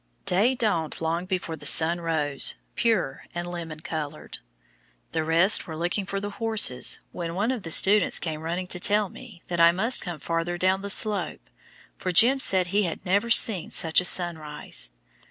Day dawned long before the sun rose, pure and lemon colored. The rest were looking after the horses, when one of the students came running to tell me that I must come farther down the slope, for "Jim" said he had never seen such a sunrise.